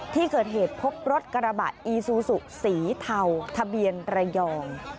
ที่เกิดเหตุพบรถกระบะอีซูซูสีเทาทะเบียนระยอง